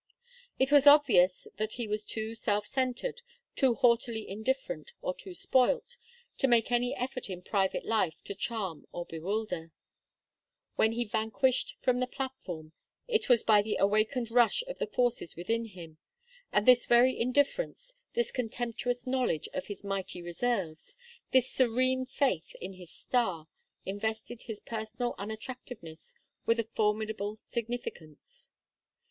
It was obvious that he was too self centred, too haughtily indifferent, or too spoilt, to make any effort in private life to charm or bewilder; when he vanquished from the platform it was by the awakened rush of the forces within him; and this very indifference, this contemptuous knowledge of his mighty reserves, this serene faith in his star, invested his personal unattractiveness with a formidable significance.